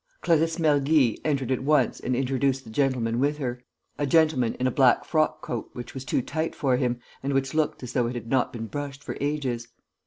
Clarisse Mergy entered at once and introduced the gentleman with her, a gentleman in a black frock coat, which was too tight for him and which looked as though it had not been brushed for ages.